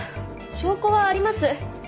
証拠はあります。